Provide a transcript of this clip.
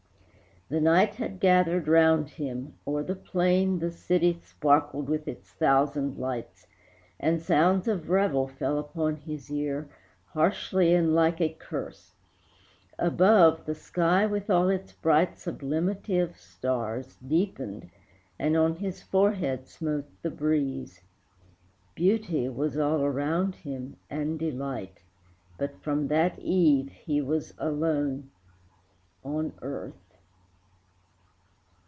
The night had gathered round him: o'er the plain The city sparkled with its thousand lights, And sounds of revel fell upon his ear Harshly and like a curse; above, the sky, With all its bright sublimity of stars, Deepened, and on his forehead smote the breeze; Beauty was all around him and delight, But from that eve he was alone on earth.